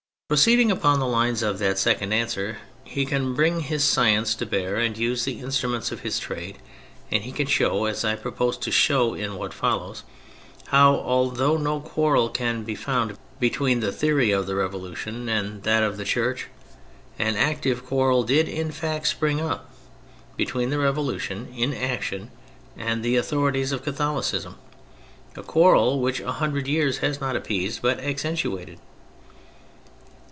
Proceeding upon the lines of that second answer, he can bring his science to bear and use the instruments of his trade; and he can show (as I propose to show in what follows) how, although no quarrel can be found be tween the theory of the Revolution and that of the Church, an active quarrel did in fact spring up between the Revolution in action and the authorities of Catholicism; a quarrel which a hundred years has not appeased, but accentuated.